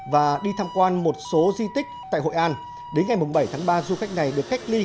và đi tham quan một số di tích tại hội an đến ngày bảy tháng ba du khách này được cách ly